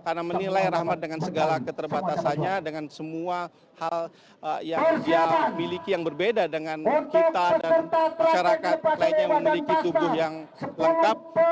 karena menilai rahmat dengan segala keterbatasannya dengan semua hal yang dia miliki yang berbeda dengan kita dan masyarakat lainnya yang memiliki tubuh yang lengkap